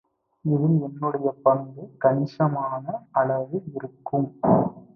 இதில் என்னுடைய பங்கு கணிசமான அளவு இருக்கும்.